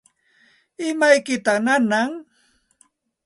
¿Imaykitaq nanan?